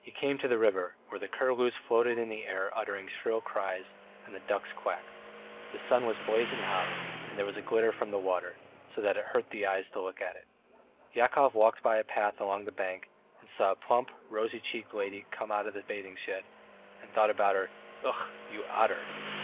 He came to the river, where the curlews floated in the air uttering shrill cries and the ducks quacked. The sun was blazing hot, and there was a glitter from the water, so that it hurt the eyes to look at it. Yakov walked by a path along the bank and saw a plump, rosy cheeked lady come out of the bathing shed, and thought about her: "Ugh! you otter!"